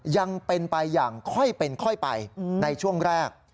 ยังเป็นไปอย่างค่อยเป็นค่อยไปในช่วงแรก